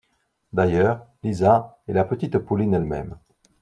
D’ailleurs, Lisa, et la petite Pauline elle-même